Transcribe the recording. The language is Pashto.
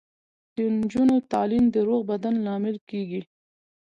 د نجونو تعلیم د روغ بدن لامل کیږي.